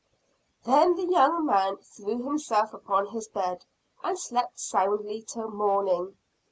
Then the young man threw himself upon his bed, and slept soundly till morning.